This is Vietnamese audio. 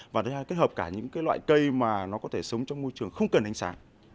và kết hợp cả những cái loại cây mà nó có thể sống trong môi trường không cần ánh sáng